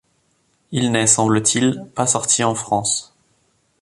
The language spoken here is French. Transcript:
Il n'est, semble-t-il, pas sorti en France.